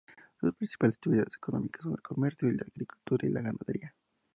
Sus principales actividades económicas son el comercio, la agricultura y la ganadería.